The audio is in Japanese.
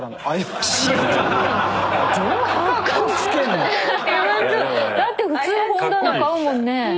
だって普通本棚買うもんね。